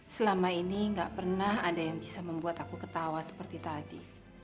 selama ini gak pernah ada yang bisa membuat aku ketawa seperti tadi